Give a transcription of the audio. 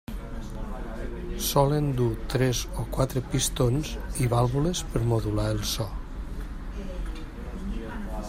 Solen dur tres o quatre pistons i vàlvules per modular el so.